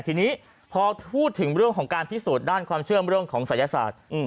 ทีนี้พอพูดถึงเรื่องของการพิสูจน์ด้านความเชื่อมเรื่องของศัยศาสตร์